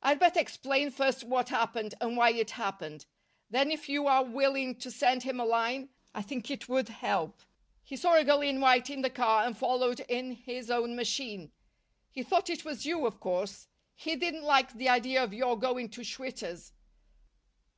"I'd better explain first what happened, and why it happened. Then if you are willing to send him a line, I think it would help. He saw a girl in white in the car and followed in his own machine. He thought it was you, of course. He didn't like the idea of your going to Schwitter's.